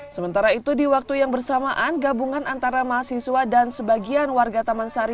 sementara itu di waktu yang bersamaan gabungan antara mahasiswa dan sebagian warga taman sari